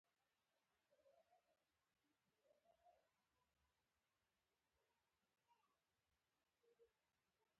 ټار په پنځو درجو ویشل شوی دی